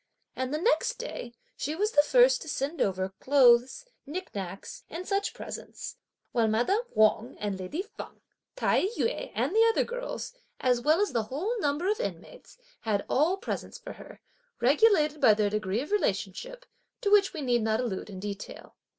And the next day, she was the first to send over clothes, nicknacks and such presents, while madame Wang and lady Feng, Tai yü and the other girls, as well as the whole number of inmates had all presents for her, regulated by their degree of relationship, to which we need not allude in detail.